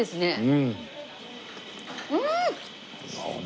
うん！